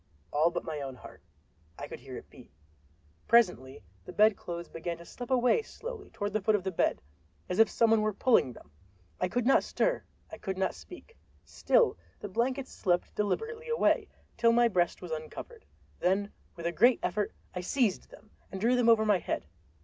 All but my own heart—I could hear it beat. Presently the bedclothes began to slip away slowly toward the foot of the bed, as if some one were pulling them! I could not stir; I could not speak. Still the blankets slipped deliberately away, till my breast was uncovered. Then with a great effort I seized them and drew them over my head.